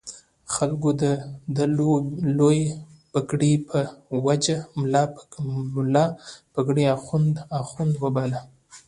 خلکو د ده د لویې پګړۍ په وجه ملا پګړۍ اخُند باله.